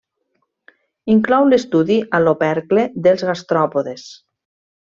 Inclou l'estudi a l'opercle dels gastròpodes.